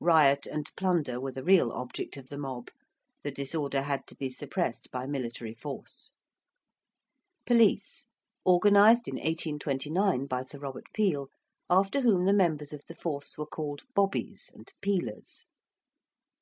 Riot and plunder were the real object of the mob. The disorder had to be suppressed by military force. ~Police~: organised in 1829 by Sir Robert Peel, after whom the members of the force were called 'bobbies' and 'peelers.'